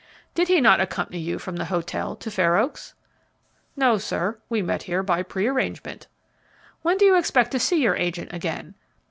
"Did he not accompany you from the hotel to Fair Oaks?" "No, sir; we met here by prearrangement." "When do you expect to see your agent again?"